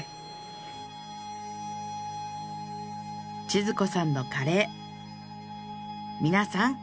千鶴子さんのカレー皆さん